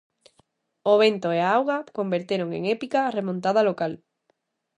O vento e a auga converteron en épica a remontada local.